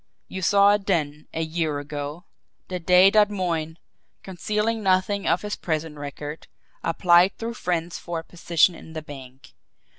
You saw it then, a year ago, the day that Moyne, concealing nothing of his prison record, applied through friends for a position in the bank.